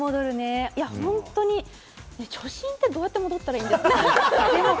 本当に初心ってどうやって戻ったらいいんですか？